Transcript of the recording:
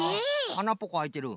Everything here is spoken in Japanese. あなっぽこあいてる。